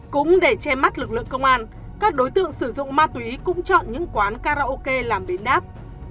cũng để che mắt lực lượng công an các đối tượng sử dụng ma túy cũng chọn những quán karaoke làm bến đáp